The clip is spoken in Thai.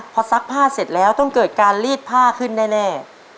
พอซักผ้าเสร็จแล้วต้องเกิดการลีดผ้าขึ้นแน่